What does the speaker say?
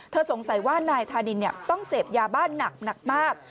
เธอสงสัยว่านายธานินเนี่ยต้องเสพยาบ้านหนักหนักมาก